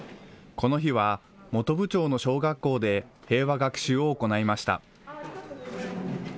この日は本部町の小学校で平和学習を行いました。